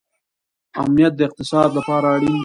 امنیت د اقتصاد لپاره اړین دی.